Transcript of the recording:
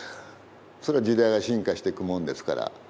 それは時代が進化していくものですから。